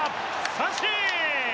三振！